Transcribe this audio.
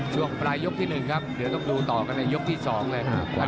ช่วงปลายยกที่๑ครับเดี๋ยวต้องดูต่อกันในยกที่๒เลย